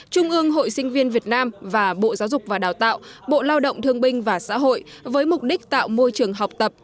trung ương hội sinh viên việt nam và bộ giáo dục và đào tạo bộ lao động thương binh và xã hội với mục đích tạo môi trường học tập